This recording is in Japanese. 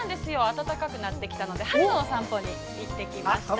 暖かくなってきたので春のお散歩に行ってきました。